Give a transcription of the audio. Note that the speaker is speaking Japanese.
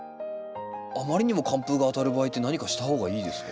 あまりにも寒風があたる場合って何かした方がいいですか？